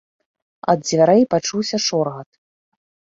Ад дзвярэй пачуўся шоргат.